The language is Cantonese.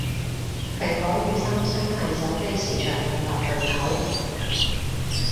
蘋果與三星係手機市場兩大巨頭